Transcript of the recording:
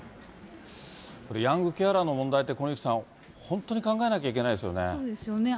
これ、ヤングケアラーの問題って、小西さん、本当に考えなきゃいけないですよね。